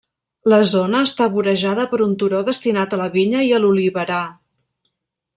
La zona està vorejada per un turó destinat a la vinya i a l'oliverar.